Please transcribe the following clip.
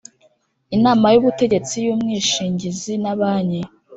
Inama y ubutegetsi y umwishingizi na banki